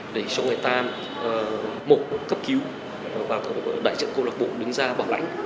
để cho người ta mổ cấp cứu và đại trưởng cơ lộ bộ đứng ra bảo lãnh